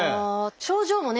症状もね